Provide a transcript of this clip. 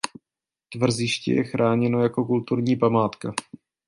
Tvrziště je chráněno jako kulturní památka.